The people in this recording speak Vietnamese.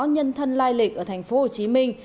nhân thân lai lịch ở thành phố hồ chí minh